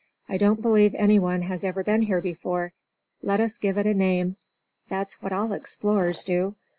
"I don't believe anyone has ever been here before. Let us give it a name. That's what all explorers do.